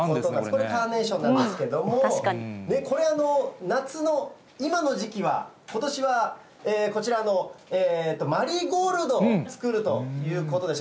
これ、カーネーションなんですけれども、これ、夏の今の時期は、ことしはこちらのマリーゴールドを作るということです。